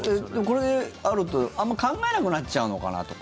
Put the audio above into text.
これがあると、あまり考えなくなっちゃうのかなとか。